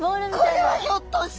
これはひょっとして！